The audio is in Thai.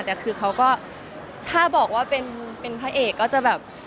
แต่คือเขาก็ถ้าบอกว่าเป็นพระเอกก็จะแบบ